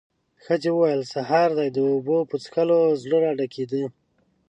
ښځې وويل: سهار دې د اوبو په څښلو زړه راډکېده.